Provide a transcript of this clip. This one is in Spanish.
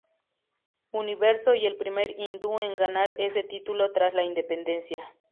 Universo y el primer hindú en ganar ese título tras la independencia.